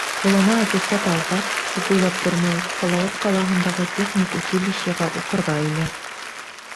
Ҡулына аттестат алғас, күп уйлап тормай, Салауат ҡалаһындағы техник училищеға уҡырға инә.